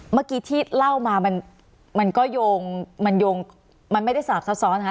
เมื่อกี้ที่เล่ามามันก็โยงมันโยงมันไม่ได้สาบซับซ้อนนะคะ